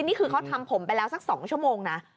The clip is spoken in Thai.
นี่คือเขาทำผมไปแล้วสัก๒ชั่วโมงนะ